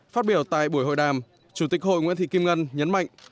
phát biểu tại buổi hội đàm chủ tịch hội nguyễn thị kim ngân nhấn mạnh